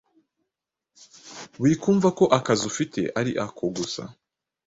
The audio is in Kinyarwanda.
wikumva ko akazi ufite ari ako gusa,